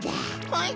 はい？